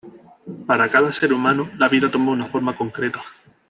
Para cada ser humano la vida toma una forma concreta.